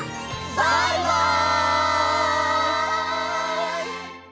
バイバイ！